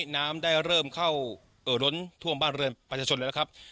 น้ำได้เริ่มเข้าเริ่มนะครับ